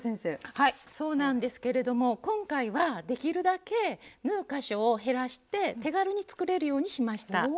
はいそうなんですけれども今回はできるだけ縫う箇所を減らして手軽に作れるようにしました。